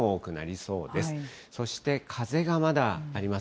そして、風がまだあります。